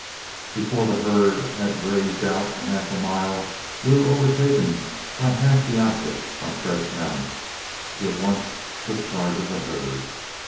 Before the herd had grazed out a half mile, we were overtaken by half the outfit on fresh mounts, who at once took charge of the herd.